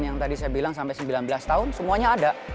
yang tadi saya bilang sampai sembilan belas tahun semuanya ada